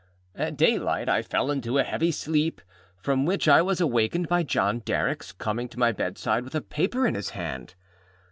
At daylight I fell into a heavy sleep, from which I was awakened by John Derrickâs coming to my bedside with a paper in his hand.